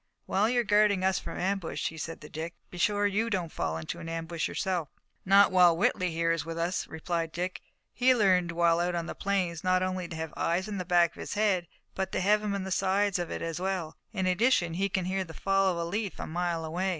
"While you are guarding us from ambush," he said to Dick, "be sure you don't fall into an ambush yourself." "Not while Whitley, here, is with us," replied Dick. "He learned while out on the plains, not only to have eyes in the back of his head, but to have 'em in the sides of it as well. In addition he can hear the fall of a leaf a mile away."